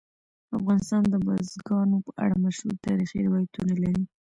افغانستان د بزګانو په اړه مشهور تاریخي روایتونه لري.